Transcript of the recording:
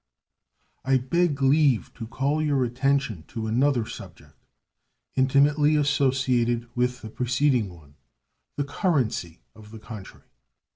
I beg leave to call your attention to another subject intimately associated with the preceding one the currency of the country.